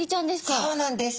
そうなんです。